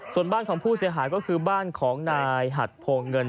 ส่วนบ้านของผู้เสียหายก็คือบ้านของนายหัดโพงเงิน